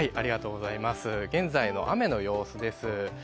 現在の雨の様子です。